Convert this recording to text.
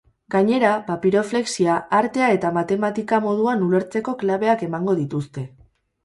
Gainera, papiroflexia, artea eta matematika moduan ulertzeko klabeak emango dituzte.